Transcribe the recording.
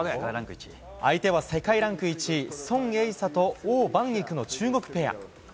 相手は世界ランク１位、孫えいさと王ばんぎくの中国ペア。